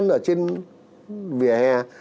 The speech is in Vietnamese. hàng lậu ở trên biên giới